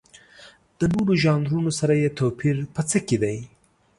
د نورو ژانرونو سره یې توپیر په څه کې دی؟